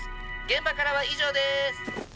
現場からは以上です」